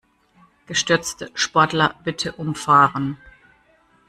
Gestürzte Sportler bitte umfahren.